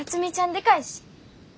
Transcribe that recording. でかいし。